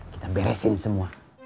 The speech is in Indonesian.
kita beresin semua